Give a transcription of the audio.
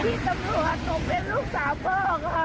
มีตำรวจหนูเป็นลูกสาวพ่อค่ะ